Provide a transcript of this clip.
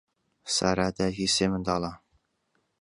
سارا دایکی سێ منداڵە.